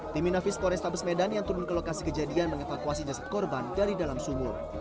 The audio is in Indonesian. tim inafis polrestabes medan yang turun ke lokasi kejadian mengevakuasi jasad korban dari dalam sumur